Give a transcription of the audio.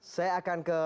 saya akan ke